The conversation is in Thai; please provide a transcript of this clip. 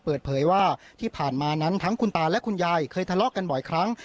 เปิดเผยว่าที่ผ่านมานั้นทั้งคุณตาและคุณยายเคยทะเลาะกันบ่อยครั้ง